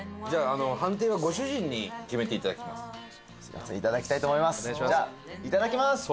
じゃあ判定はご主人に決めていただきます。